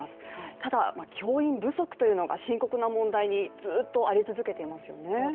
ただ、教員不足というのが深刻な問題にずっとあり続けていますよね。